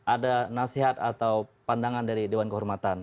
ada nasihat atau pandangan dari dewan kehormatan